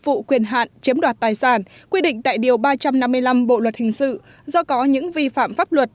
vụ quyền hạn chiếm đoạt tài sản quy định tại điều ba trăm năm mươi năm bộ luật hình sự do có những vi phạm pháp luật